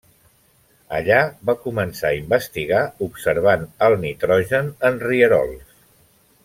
Allà va començar a investigar observant el nitrogen en rierols.